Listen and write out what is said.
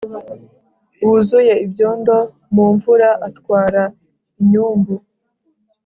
wuzuye ibyondo mu mvura, atwara inyumbu